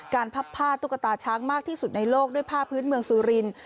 พับผ้าตุ๊กตาช้างมากที่สุดในโลกด้วยผ้าพื้นเมืองสุรินทร์